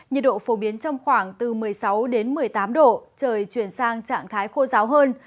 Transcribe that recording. nhiệt độ phổ biến trong khoảng từ một mươi sáu đến một mươi tám độ trời chuyển sang trạng thái khô giáo hơn